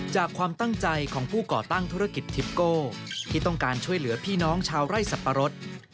ความตั้งใจของผู้ก่อตั้งธุรกิจทิปโก้ที่ต้องการช่วยเหลือพี่น้องชาวไร่สับปะรด